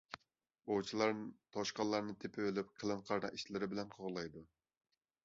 ئوۋچىلار توشقانلارنى تېپىۋېلىپ قېلىن قاردا ئىتلىرى بىلەن قوغلايدۇ.